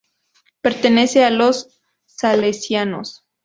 Pertenece a los salesianos.